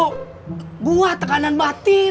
gue tekanan batin